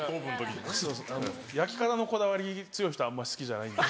焼き方のこだわり強い人あんま好きじゃないんで。